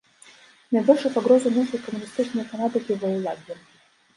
Найбольшую пагрозу неслі камуністычныя фанатыкі ва ўладзе.